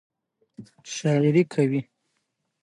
شاعرۍ کې